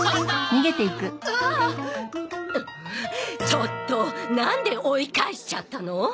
ちょっとなんで追い返しちゃったの！？